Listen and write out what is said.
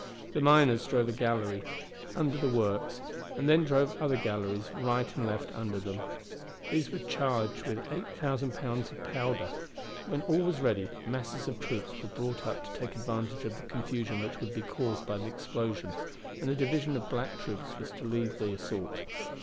The miners drove a gallery under the works, and then drove other galleries right and left under them. These were charged with eight thousand pounds of powder. When all was ready, masses of troops were brought up to take advantage of the confusion which would be caused by the explosion, and a division of black troops were to lead the assault.